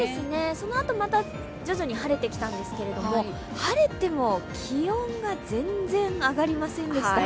そのあと、また徐々に晴れてきたんですけれども、晴れても気温が全然上がりませんでした。